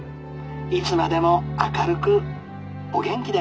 いつまでも明るくお元気で。